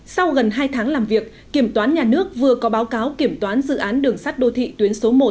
sau gần hai tháng làm việc kiểm toán nhà nước vừa có báo cáo kiểm toán dự án đường sắt đô thị tuyến số một